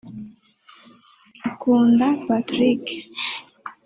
Kikunda Patrick